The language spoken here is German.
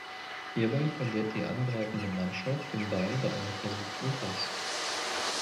Hierbei verliert die angreifende Mannschaft den Ball bei einem versuchten Pass.